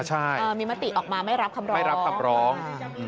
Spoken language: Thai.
ใช่มีมติออกมาไม่รับคำร้อง